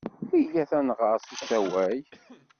Iyyat ad nɣer s usawal.